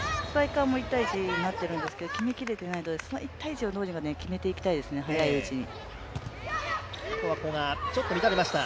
１対１になってるんですけど、決めきれてないのでその１対１を決めていきたいですね、早いうちに。